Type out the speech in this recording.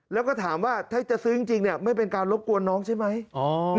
แล้วก็ถามว่าถ้าจะซื้อจริงไม่เป็นการรบกวนน้องใช่ไหม